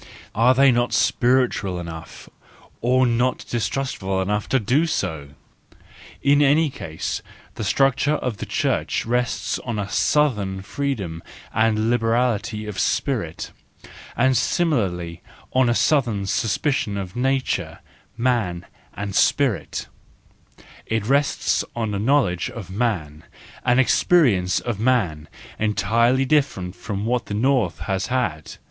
Are they not spiritual enough, or not distrustful enough to do so? In any case the structure of the Church rests on a southern freedom and liberality of spirit, and similarly on a southern suspicion of nature, man, and spirit,—it rests on 3 knowledge of man, 312 THE JOYFUL WISDOM, V an experience of man, entirely different from what the north has had.